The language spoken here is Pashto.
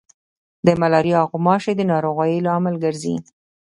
د ملاریا غوماشي د ناروغیو لامل ګرځي.